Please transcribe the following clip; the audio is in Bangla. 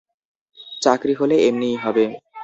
চাকরি হলে এমনিই হবে।